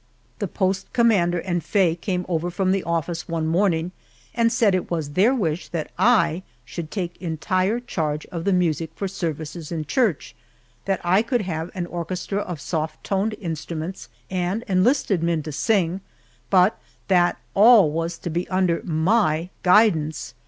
The post commander and Faye came over from the office one morning and said it was their wish that I should take entire charge of the music for services in church, that I could have an orchestra of soft toned instruments, and enlisted men to sing, but that all was to be under my guidance.